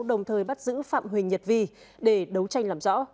đồng thời bắt giữ phạm huỳnh nhật vi để đấu tranh làm rõ